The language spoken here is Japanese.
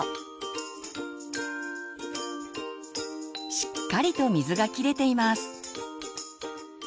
しっかりと水が切れています。